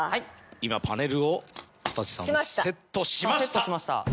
今パネルをかたせさんセットしました。